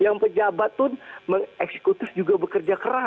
yang pejabat pun eksekutif juga bekerja keras